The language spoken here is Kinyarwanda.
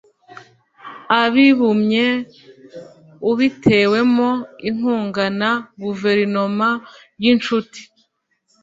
abibumye ubitewemo inkunga na guverinoma y'inshuti